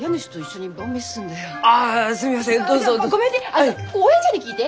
あのおえいちゃんに聞いて！